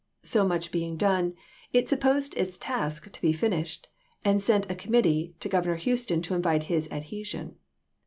So much being done, c/riopS it supposed its task to be finished, and sent a com "p.'esV ^' mittee to Governor Houston to invite his adhesion.